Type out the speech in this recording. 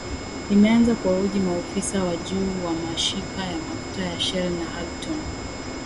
imeanza kuwahoji maofisa wa juu wa mashika ya mafuta ya shell na hagton